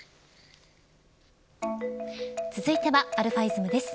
続いてはαｉｓｍです。